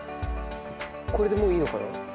これでもういいのかな？